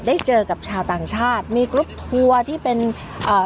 เจอกับชาวต่างชาติมีกรุ๊ปทัวร์ที่เป็นเอ่อ